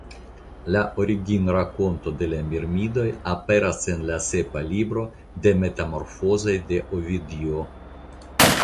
La originrakonto de la Mirmidoj aperas en la sepa libro de metamorfozoj de Ovidio.